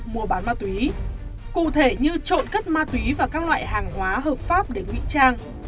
mua bán ma túy cụ thể như trộm cất ma túy và các loại hàng hóa hợp pháp để ngụy trang